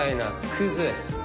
クズ。